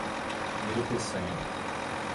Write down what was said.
Nilo Peçanha